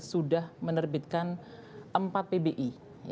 sudah menerbitkan empat pbi